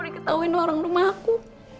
diketahuin orang rumah aku